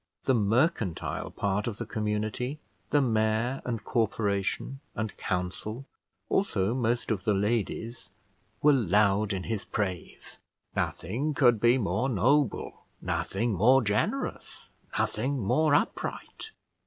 The mercantile part of the community, the mayor and corporation, and council, also most of the ladies, were loud in his praise. Nothing could be more noble, nothing more generous, nothing more upright.